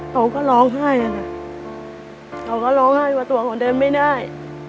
เขาก็ร้องไห้อะนะเขาก็ร้องไห้ว่าตัวเขาเดินไม่ได้